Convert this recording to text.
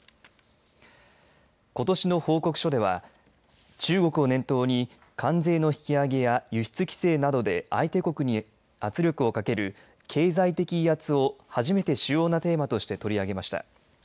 ことしの報告書では中国を念頭に関税の引き上げや輸出規制などで相手国に圧力をかける経済的威圧を初めて主要なテーマとして取り上げました。